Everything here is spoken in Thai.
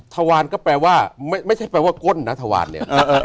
ทวารก็แปลว่าไม่ใช่แปลว่าก้นนะทวานเนี่ย